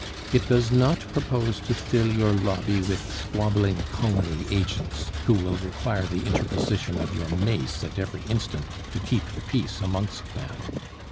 It does not propose to fill your lobby with squabbling colony agents, who will require the interposition of your mace at every instant to keep the peace amongst them.